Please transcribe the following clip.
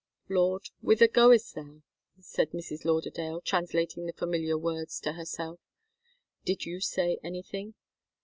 " "Lord, whither goest Thou," said Mrs. Lauderdale, translating the familiar words to herself. "Did you say anything?"